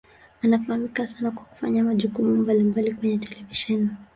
Anafahamika sana kwa kufanya majukumu mbalimbali kwenye televisheni.